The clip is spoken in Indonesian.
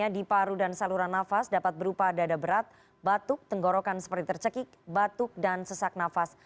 di paru dan saluran nafas dapat berupa dada berat batuk tenggorokan seperti tercekik batuk dan sesak nafas